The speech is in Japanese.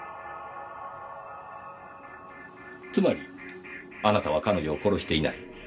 つまりあなたは彼女を殺していない。